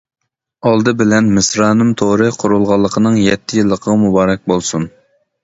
ئالدى بىلەن مىسرانىم تورى قۇرۇلغانلىقىنىڭ يەتتە يىللىقىغا مۇبارەك بولسۇن!